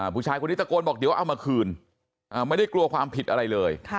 ผู้ชายคนนี้ตะโกนบอกเดี๋ยวเอามาคืนไม่ได้กลัวความผิดอะไรเลย